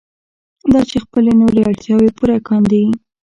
دا چې خپلې نورې اړتیاوې پوره کاندي.